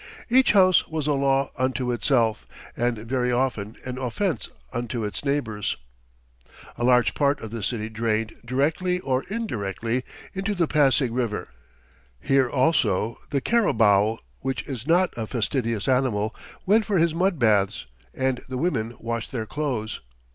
Each house was a law unto itself and very often an offense unto its neighbours. [Illustration: A Carabao] A large part of the city drained, directly or indirectly, into the Pasig River. Here, also, the carabao, which is not a fastidious animal, went for his mud baths, and the women washed their clothes.